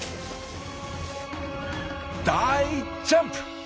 大ジャンプ！